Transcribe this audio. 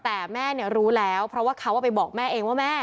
แต่แม่รู้แล้วเพราะว่าเขาไปบอกแม่เองว่าแม่